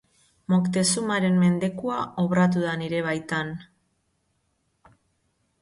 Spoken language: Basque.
Moctezumaren mendekua obratu da nire baitan.